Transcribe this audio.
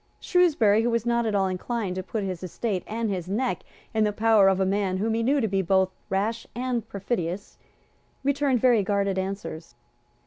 Shrewsbury, who was not at all inclined to put his estate and his neck in the power of a man whom he knew to be both rash and perfidious, returned very guarded answers.